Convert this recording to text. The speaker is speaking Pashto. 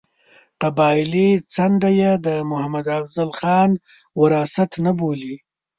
قبایلي څنډه یې د محمد افضل خان وراثت نه بولي.